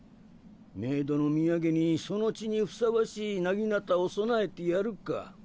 冥土の土産にその血にふさわしい薙刀を供えてやるか。